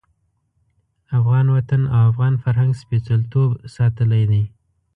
افغان وطن او افغان فرهنګ سپېڅلتوب ساتلی دی.